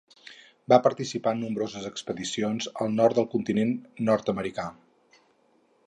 Va participar en nombroses expedicions al nord del continent nord-americà.